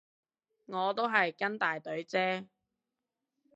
我都係跟大隊啫